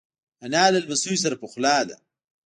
انا له لمسیو سره پخلا ده